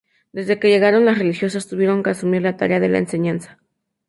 Desde que llegaron, las religiosas tuvieron que asumir la tarea de la enseñanza.